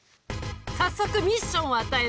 早速ミッションを与える。